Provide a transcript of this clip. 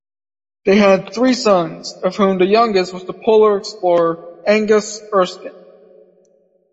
They had three sons, of whom the youngest was the polar explorer Angus Erskine.